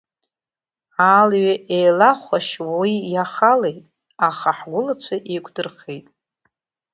Алҩа еилахәашь уи иахалеит, аха ҳгәылацәа еиқәдырхеит…